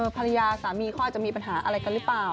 ภรรยาสามีเขาอาจจะมีปัญหาอะไรกันหรือเปล่า